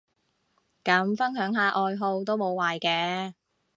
咁分享下愛好都無壞嘅